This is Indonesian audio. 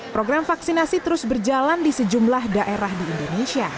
program vaksinasi terus berjalan di sejumlah daerah di indonesia